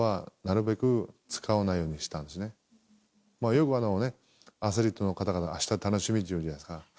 よくアスリートの方々明日楽しみって言うじゃないですか。